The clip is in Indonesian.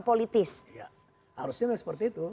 politis harusnya seperti itu